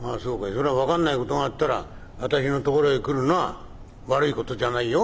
そりゃ分かんないことがあったら私のところへ来るのは悪いことじゃないよ。